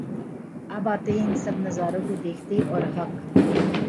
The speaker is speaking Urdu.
اب آتے ہیں ان سب نظاروں کو دیکھتے اور حق